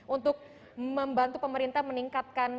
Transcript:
untuk membantu pemerintah meningkatkan